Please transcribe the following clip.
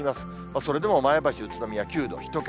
それでも前橋、宇都宮９度、１桁。